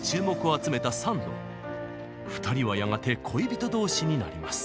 ２人はやがて恋人同士になります。